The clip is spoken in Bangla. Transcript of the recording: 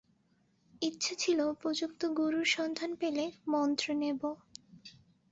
ইচ্ছা ছিল উপযুক্ত গুরুর সন্ধান পেলে মন্ত্র নেব!